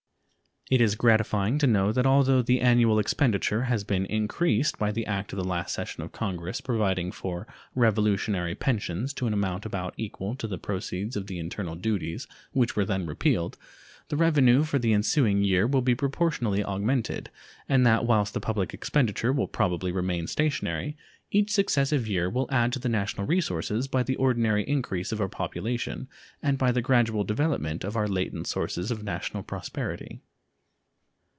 It is gratifying to know that although the annual expenditure has been increased by the act of the last session of Congress providing for Revolutionary pensions to an amount about equal to the proceeds of the internal duties which were then repealed, the revenue for the ensuing year will be proportionally augmented, and that whilst the public expenditure will probably remain stationary, each successive year will add to the national resources by the ordinary increase of our population and by the gradual development of our latent sources of national prosperity.